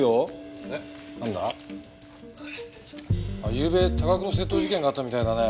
ゆうべ多額の窃盗事件があったみたいだね。